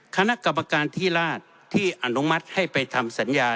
คณะกรรมการที่ราชที่อนุมัติให้ไปทำสัญญา